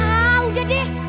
hah udah deh